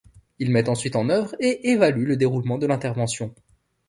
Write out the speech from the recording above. Ils mettent ensuite en œuvre et évaluent le déroulement de l'intervention.